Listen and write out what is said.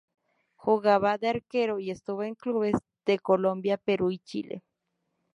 Jugaba de arquero y estuvo en clubes de Colombia, Perú y Chile.